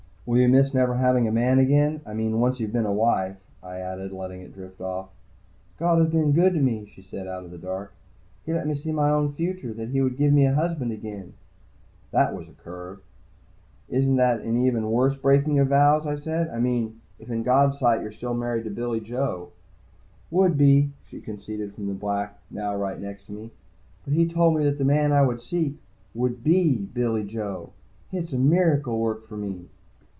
"Will you miss never having a man again? I mean, once you've been a wife " I added, letting it drift off. "God has been good to me," she said out of the dark. "He let me see my own future, that he would give me a husband again." That was a curve. "Isn't that an even worse breaking of vows?" I said. "I mean, if in God's sight you're still married to Billy Joe?" "Would be," she conceded from the black, now right next to me. "But He told me that the man I should seek would be Billy Joe hit's a miracle worked for me."